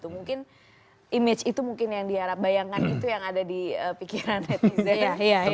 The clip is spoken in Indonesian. mungkin image itu yang diharapkan bayangan itu yang ada di pikiran netizen